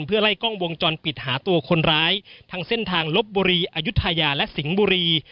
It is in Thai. เพื่อไล่กล้องวงจรปิดหาตัวคนร้ายทั้งเส้นทางลบบุรีอายุทยาและสิงห์บุรี